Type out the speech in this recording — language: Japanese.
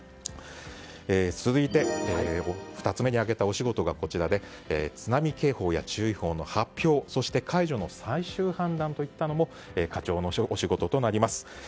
続いて、２つ目に挙げたお仕事がこちらで津波警報や注意報の発表そして解除の最終判断といったものも課長のお仕事となります。